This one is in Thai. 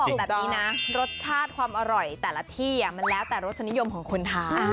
บอกแบบนี้นะรสชาติความอร่อยแต่ละที่มันแล้วแต่รสนิยมของคนทาน